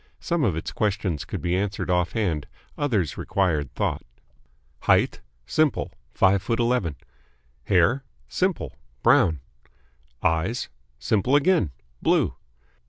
Some of its questions could be answered off hand, others required thought. "Height?" Simple. Five foot eleven. "Hair?" Simple. Brown. "Eyes?" Simple again. Blue.